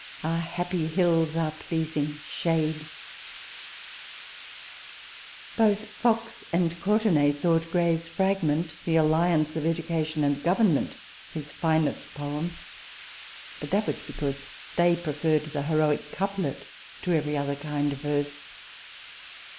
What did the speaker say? " Ah happy hills, ah pleasing shade I " Both Fox and Courtenay thought Gray's frag ment, " The Alliance of Education and Government," his finest poem : but that was because they pre ferred the heroic couplet to every other kind of verse.